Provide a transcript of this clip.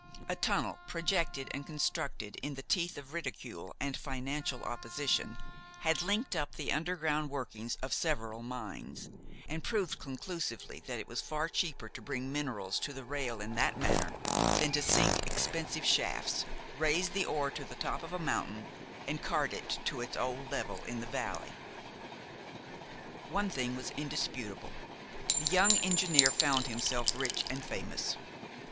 A tunnel, projected and constructed in the teeth of ridicule and financial opposition, had linked up the underground workings of several mines, and proved conclusively that it was far cheaper to bring minerals to the rail in that manner than to sink expensive shafts, raise the ore to the top of a mountain, and cart it to its old level in the valley. Once the thing was indisputable, the young engineer found himself rich and famous.